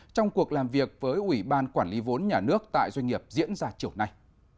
trong cuộc làm việc với ủy ban quản lý vốn nhà nước tại doanh nghiệp diễn ra chiều nay